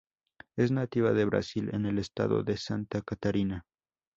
Es nativa de Brasil, en el Estado de Santa Catarina.